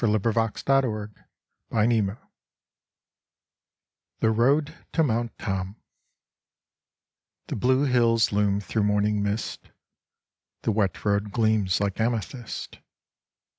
SONGS OF NEW ENGLAND ROADS THE ROAD TO MOUNT TOM The blue hills loom through morning mist : The wet road gleams like amethyst.